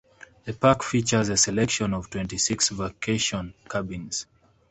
The park features a selection of twenty-six vacation cabins.